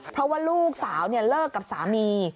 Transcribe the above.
เพราะว่าลูกสาวเลิกกับสามี